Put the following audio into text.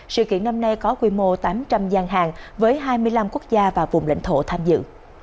sự kiện năm nay có quy mô tám trăm linh gian hàng với hai mươi năm quốc gia và vùng lãnh thổ tham dự